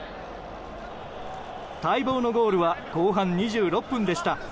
待望のゴールは後半２６分でした。